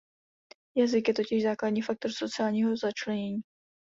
Jazyk je totiž základní faktor sociálního začlenění.